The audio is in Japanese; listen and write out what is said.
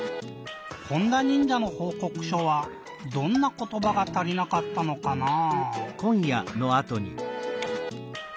ホンダにんじゃのほうこくしょはどんなことばが足りなかったのかなぁ？